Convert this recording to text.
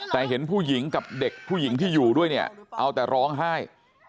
แต่เห็นผู้หญิงกับเด็กผู้หญิงที่อยู่ด้วยเนี่ยเอาแต่ร้องไห้